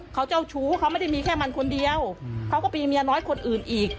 เขาเจ้าชู้เขาไม่ได้มีแค่มันคนเดียวเขาก็มีเมียน้อยคนอื่นอีก